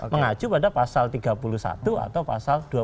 mengacu pada pasal tiga puluh satu atau pasal dua puluh satu